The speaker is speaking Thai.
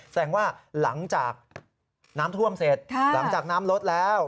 แสดงว่าหลังจากน้ำท่วมเสร็จหลังจากน้ำลดแล้ว